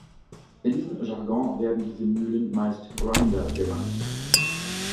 In diesem Jargon werden diese Mühlen meist Grinder genannt.